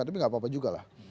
tapi gak apa apa juga lah